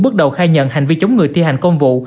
bước đầu khai nhận hành vi chống người thi hành công vụ